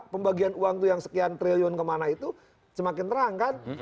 pembagian uang itu yang sekian triliun kemana itu semakin terang kan